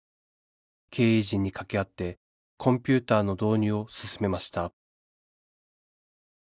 経営陣にかけ合ってコンピューターの導入を進めました